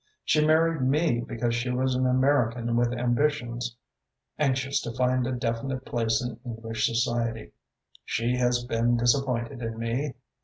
She married me because she was an American with ambitions, anxious to find a definite place in English society. She has been disappointed in me.